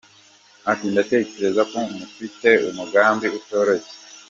Ati "Ndatekereza ko mufite umugambi utoroshye.